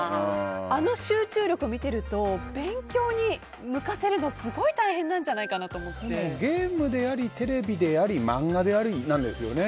あの集中力を見ていると勉強に向かせるのすごいゲームであり、テレビであり漫画でありなんですよね。